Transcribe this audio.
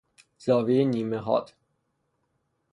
زاویهی نیمه حاد